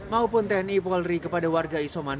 maupun tni polri kepada warga isoman